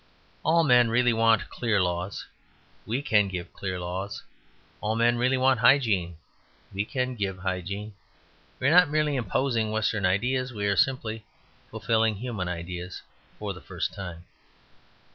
All men really want clear laws: we can give clear laws. All men really want hygiene: we can give hygiene. We are not merely imposing Western ideas. We are simply fulfilling human ideas for the first time."